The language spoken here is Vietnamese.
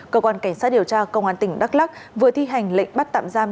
cơ quan cảnh sát điều tra công an tỉnh đắk lắc vừa thi hành lệnh bắt tạm giam